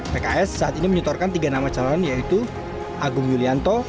pks saat ini menyutorkan tiga nama calon yaitu agung yulianto